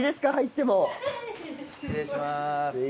失礼します。